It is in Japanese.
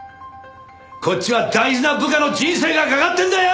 こっちは大事な部下の人生がかかってるんだよ！